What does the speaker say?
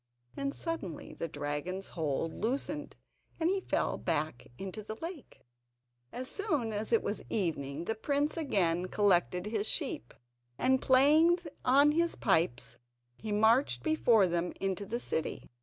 And suddenly the dragon's hold loosened, and he fell back into the lake. As soon as it was evening the prince again collected his sheep, and playing on his pipes he marched before them into the city.